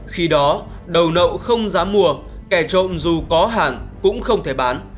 khi đó đầu nậu không dám mua kẻ trộm dù có hàng cũng không thể bán